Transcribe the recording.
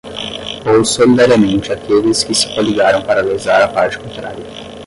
ou solidariamente aqueles que se coligaram para lesar a parte contrária